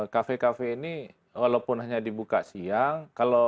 kafe kafe ini walaupun hanya dibuka siang